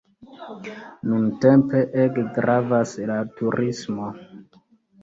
Nuntempe ege gravas la turismo.